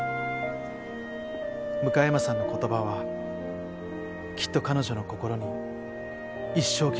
向山さんの言葉はきっと彼女の心に一生刻まれます。